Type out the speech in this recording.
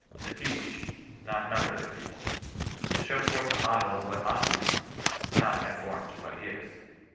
To teachy not number the people. To show forth a model of what ought to he — not conform to what is.